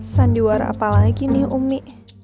sandiwar apalagi nih umi